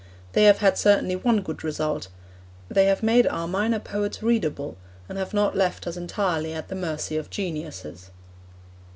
They have had certainly one good result they have made our minor poets readable, and have not left us entirely at the mercy of geniuses.